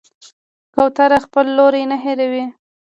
کوتره خپل لوری نه هېروي.